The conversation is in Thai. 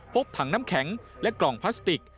พบถังน้ำแข็งและกล่องพลาสติก